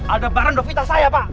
ada baran dovital saya pak